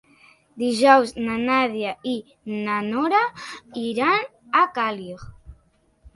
Dijous na Nàdia i na Nora iran a Càlig.